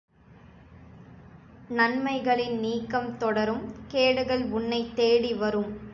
நன்மைகளின் நீக்கம் தொடரும் கேடுகள் உன்னைத் தேடி வரும்.